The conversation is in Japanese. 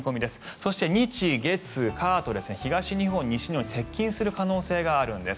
そして、日月火と東日本、西日本に接近する可能性があるんです。